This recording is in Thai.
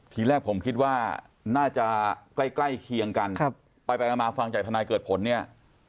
ทีแรกผมคิดว่าน่าจะใกล้เคียงกันไปไปมาฟังจากทนายเกิดผลเนี่ย